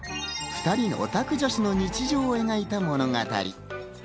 ２人のオタク女子の日常を描いた物語。